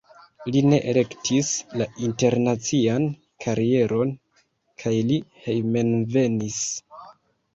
Li ne elektis la internacian karieron kaj li hejmenvenis.